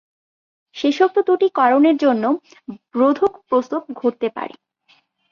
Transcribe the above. শেষোক্ত দুটি কারণের জন্য রোধক প্রসব ঘটতে পারে।